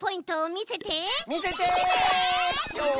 みせて！